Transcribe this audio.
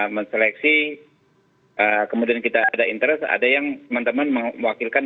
menseleksi kemudian kita ada interest ada yang teman teman mewakilkan